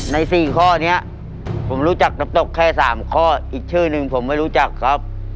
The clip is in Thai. ใน๔ข้อนี้ผมรู้จักน้ำตกแค่๓ข้ออีกชื่อหนึ่งผมไม่รู้จักครับ